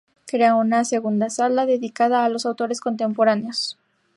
Crea una segunda sala dedicada a los autores contemporáneos.